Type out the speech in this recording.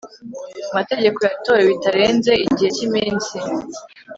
mategeko yatowe bitarenze igihe cy iminsi